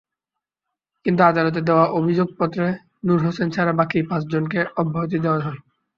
কিন্তু আদালতে দেওয়া অভিযোগপত্রে নূর হোসেন ছাড়া বাকি পাঁচজনকে অব্যাহতি দেওয়া হয়।